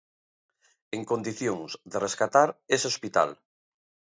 En condicións de rescatar ese hospital.